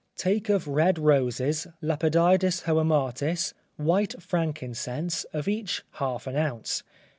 Take of red roses, lapididis hoematis, white frankincense, of each half an ounce.